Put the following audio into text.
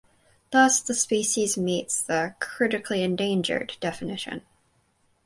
Thus the species meets the "critically endangered" definition.